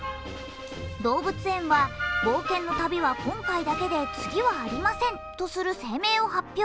動物園は冒険の旅は今回だけで次はありませんとする声明を発表。